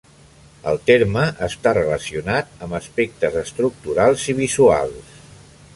El terme està relacionat amb aspectes estructurals i visuals.